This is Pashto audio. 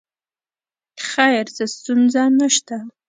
خیر څه ستونزه نه شته.